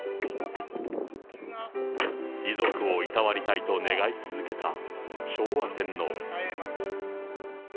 遺族をいたわりたいと願い続けた昭和天皇。